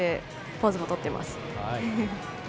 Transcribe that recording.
ポーズも取ってます。